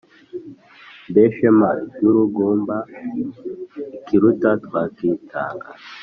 mbe shema ryurugamba ikiruta twakitanga?"